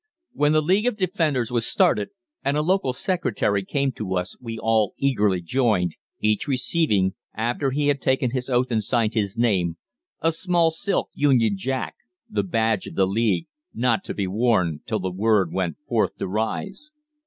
When the League of Defenders was started, and a local secretary came to us, we all eagerly joined, each receiving, after he had taken his oath and signed his name, a small silk Union Jack, the badge of the League, not to be worn till the word went forth to rise.